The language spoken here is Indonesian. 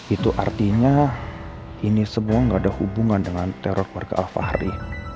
itu artinya ini semua gak ada hubungan dengan teror warga al fahri